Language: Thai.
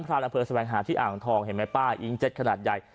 เค้าค่ะอิงเจ็ดขนาดใหญ่